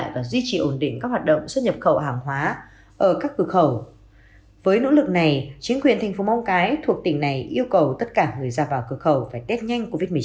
và hãng hóa ở các cửa khẩu với nỗ lực này chính quyền tp mông cái thuộc tỉnh này yêu cầu tất cả người ra vào cửa khẩu phải test nhanh covid một mươi chín